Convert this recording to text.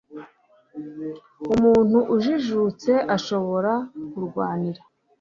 umuntu ujijutse ushobora kurwanira